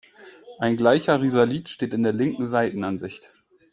Ein gleicher Risalit steht in der linken Seitenansicht.